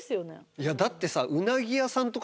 いやだってさ。